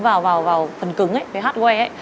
vào phần cứng về hardware